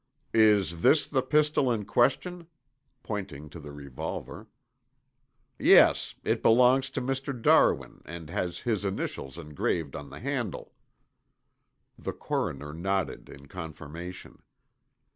"Is this the pistol in question?" pointing to the revolver. "Yes. It belongs to Mr. Darwin and has his initials engraved on the handle." The coroner nodded in confirmation.